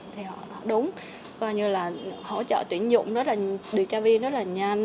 thì họ đúng coi như là hỗ trợ tuyển dụng điều tra viên rất là nhanh